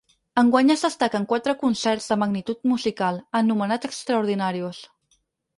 Enguany es destaquen quatre concerts de gran magnitud musical, anomenats ‘Extraordinàrius’.